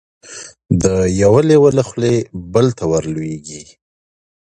د یوه لېوه له خولې بل ته ور لوېږي